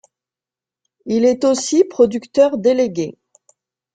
Il est aussi producteur délégué.